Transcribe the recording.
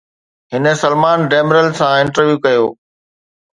هن Salman Demirel سان interview ڪيو.